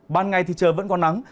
ban ngày thì trời vẫn có nắng